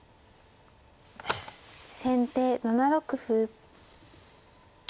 先手７六歩。